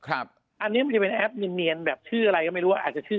อันนี้มันจะเป็นแอปเนียนแบบชื่ออะไรก็ไม่รู้